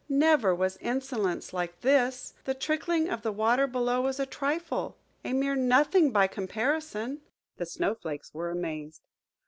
Never was insolence like this! The trickling of the water below was a trifle, a mere nothing by comparison! The Snow flakes were amazed.